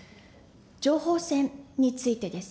情報戦についてです。